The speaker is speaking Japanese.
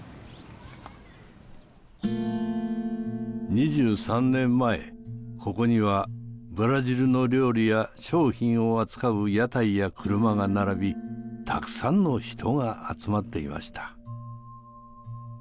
２３年前ここにはブラジルの料理や商品を扱う屋台や車が並びたくさんの人が集まっていました。